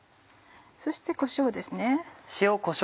そしてこしょうですね。